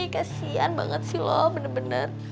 kasihan banget sih lo bener bener